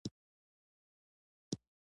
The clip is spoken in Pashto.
همدرد صاحب تیلفون وکړ.